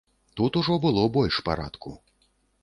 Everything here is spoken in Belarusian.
Тут ужо было больш парадку.